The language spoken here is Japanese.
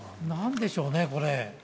なんでしょうね、これ。